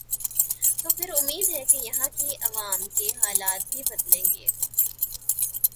توپھر امید ہے کہ یہاں کے عوام کی حالت بھی بدلے گی۔